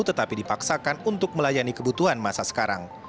tetapi dipaksakan untuk melayani kebutuhan masa sekarang